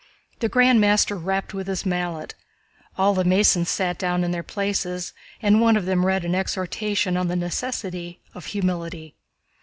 The Grand Master rapped with his mallet. All the Masons sat down in their places, and one of them read an exhortation on the necessity of humility.